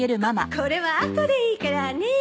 ここれはあとでいいからね。